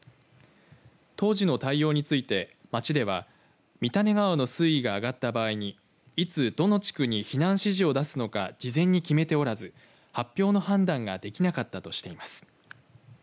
当時の対応について町では三種川の水位が上がった場合にいつ、どの地区に避難指示を出すのか事前に決めておらず発表の判断ができなかったとしています。